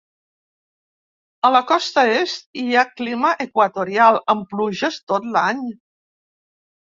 A la costa est, hi ha clima equatorial, amb pluges tot l'any.